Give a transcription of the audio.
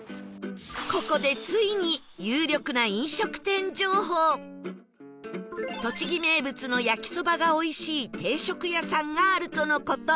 ここで栃木名物の焼きそばがおいしい定食屋さんがあるとの事